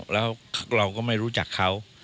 แล้วเราก็ไม่รู้จักเขา